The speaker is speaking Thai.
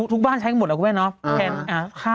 ทุกบ้านใช้อยู่หมดแล้วก็ไม่เอาแค่